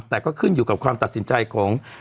แต่ก็ขึ้นอยู่กับความตัดสินใจของ